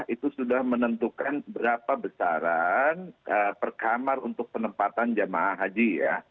itu sudah menentukan berapa besaran perkamar untuk penempatan jemaah haji